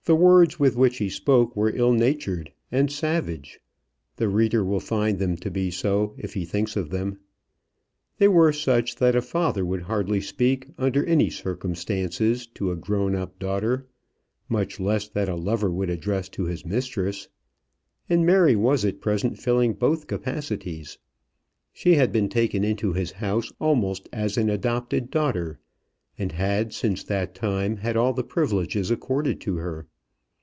The words with which he spoke were ill natured and savage. The reader will find them to be so, if he thinks of them. They were such that a father would hardly speak, under any circumstances, to a grown up daughter, much less that a lover would address to his mistress. And Mary was at present filling both capacities. She had been taken into his house almost as an adopted daughter, and had, since that time, had all the privileges accorded to her.